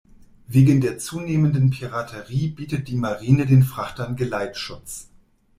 Wegen der zunehmenden Piraterie bietet die Marine den Frachtern Geleitschutz.